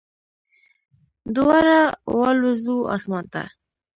دواړه والوزو اسمان ته